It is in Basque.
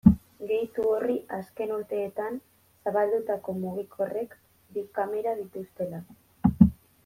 Gehitu horri azken urteetan zabaldutako mugikorrek bi kamera dituztela.